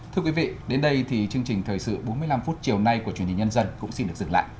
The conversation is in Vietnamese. thưa quý vị đến đây thì chương trình thời sự bốn mươi năm phút chiều nay của truyền hình nhân dân cũng xin được dừng lại